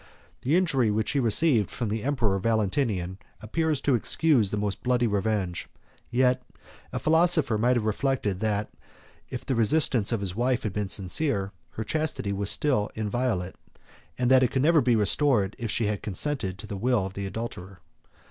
The injury which he received from the emperor Valentinian appears to excuse the most bloody revenge. Yet a philosopher might have reflected, that, if the resistance of his wife had been sincere, her chastity was still inviolate, and that it could never be restored if she had consented to the will of the adulterer.